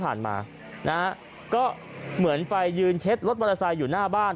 ผ่านมานะฮะก็เหมือนไปยืนเช็ดรถมอเตอร์ไซค์อยู่หน้าบ้าน